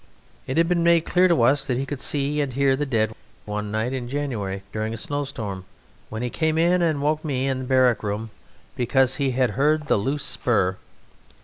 It had been made clear to us that he could see and hear The Dead one night in January during a snowstorm, when he came in and woke me in barrack room because he had heard the Loose Spur.